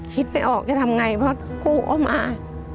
คิดไม่ออกจะทำไงเพราะกู้ออกมา